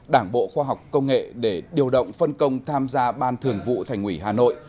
đảng bộ khoa học công nghệ để điều động phân công tham gia ban thường vụ thành ủy hà nội